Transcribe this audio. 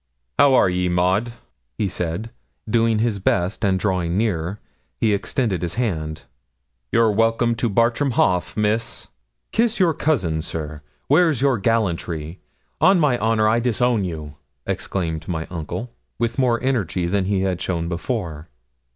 'How are ye, Maud?' he said, doing his best, and drawing near, he extended his hand. 'You're welcome to Bartram Haugh, Miss.' 'Kiss your cousin, sir. Where's your gallantry? On my honour, I disown you,' exclaimed my uncle, with more energy than he had shown before.